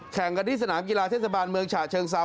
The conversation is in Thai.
แข่งกันที่สนามกีฬาเทศบาลเมืองฉะเชิงเซา